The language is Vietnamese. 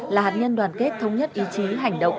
là hạt nhân đoàn kết thống nhất ý chí hành động